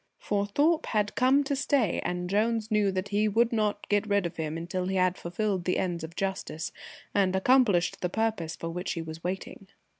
For Thorpe had come to stay, and Jones knew that he would not get rid of him until he had fulfilled the ends of justice and accomplished the purpose for which he was waiting.